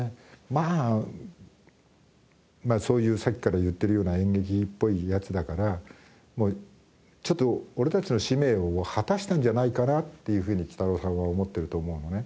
まあそういうさっきから言ってるような演劇っぽいやつだからもうちょっと俺たちの使命を果たしたんじゃないかなっていうふうにきたろうさんは思ってると思うのね。